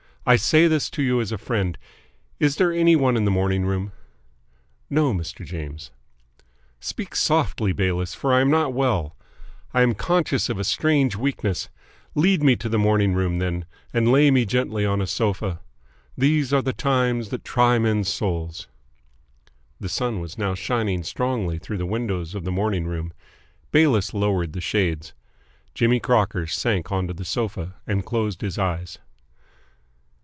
I say this to you as a friend. Is there any one in the morning room?" "No, Mr. James." "Speak softly, Bayliss, for I am not well. I am conscious of a strange weakness. Lead me to the morning room, then, and lay me gently on a sofa. These are the times that try men's souls." The sun was now shining strongly through the windows of the morning room. Bayliss lowered the shades. Jimmy Crocker sank onto the sofa, and closed his eyes.